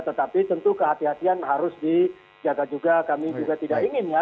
tetapi tentu kehatian kehatian harus dijaga juga kami juga tidak ingin ya